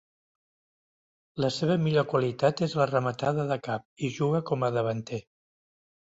La seva millor qualitat és la rematada de cap i juga com a davanter.